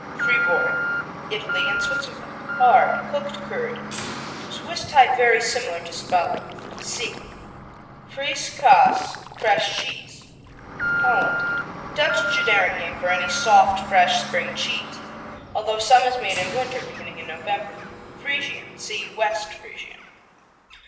Fribourg Italy and Switzerland Hard; cooked curd, Swiss type very similar to Spalen. (See) Frissche Kaas, Fresh cheese Holland Dutch generic name for any soft, fresh spring cheese, although some is made in winter, beginning in November. Friesian see West Friesian.